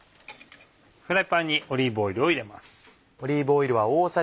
フライパンにオリーブオイルを入れます。